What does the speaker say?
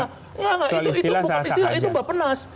itu bukan istilah itu mbak penas